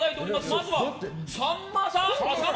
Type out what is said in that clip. まずは、さんまさん！